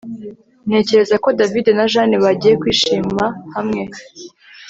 Ntekereza ko David na Jane bagiye kwishima hamwe